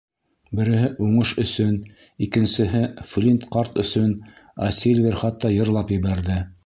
Береһе «уңыш өсөн», икенсеһе «Флинт ҡарт өсөн», ә Сильвер хатта йырлап ебәрҙе: